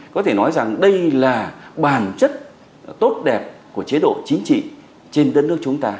có thể nói rằng đây là bản chất tốt đẹp của chế độ chính trị trên đất nước chúng ta